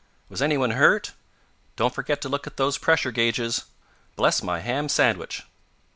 "Was anyone hurt?" "Don't forget to look at those pressure gauges!" "Bless my ham sandwich!"